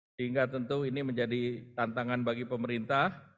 sehingga tentu ini menjadi tantangan bagi pemerintah